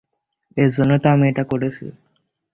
এজন্যই তো আমি এটা করেছি।